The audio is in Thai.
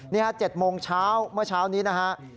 ๗โมงเช้าเมื่อเช้านี้นะฮะ